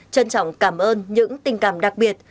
trân trọng cảm ơn những tình cảm đặc biệt